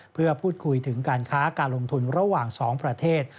เพื่อพูดคุยถึงการค้าการลงทุนระหว่าง๒ประเทศ